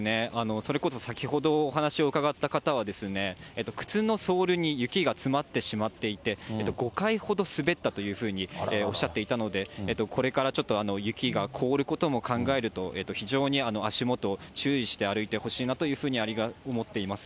それこそ先ほどお話を伺った方は、靴のソールに雪が詰まってしまっていて、５回ほど滑ったというふうにおっしゃっていたので、これからちょっと、雪が凍ることも考えると、非常に足元、注意して歩いてほしいなというふうに思っています。